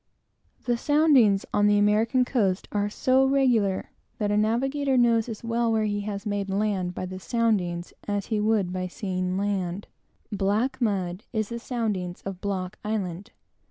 The soundings on the American coast are so regular that a navigator knows as well where he has made land, by the soundings, as he would by seeing the land. Black mud is the soundings of Block Island.